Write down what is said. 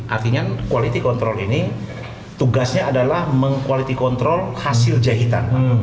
artinya kualiti kontrol ini tugasnya adalah mengkualiti kontrol hasil jahitan